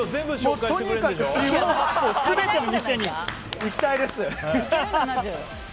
とにかく四方八方全ての店に行きたいです。